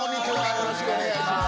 よろしくお願いします。